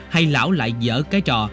hay lão lại dở cái trò